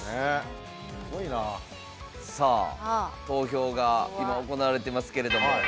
投票が今行われてますけれども。